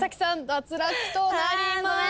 脱落となります。